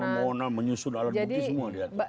membuat pembohonan menyusun alat bukti semua dia